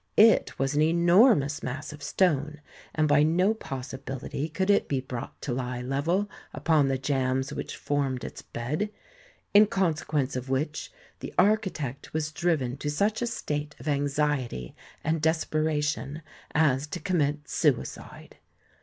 It was an enor ii2 THE SEVEN WONDERS mous mass of stone, and by no possibility could it be brought to lie level upon the jambs which formed its bed; in consequence of which, the architect was driven to such a state of anxiety and desperation as to commit suicide.